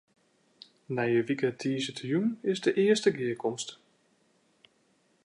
Nije wike tiisdeitejûn is de earste gearkomste.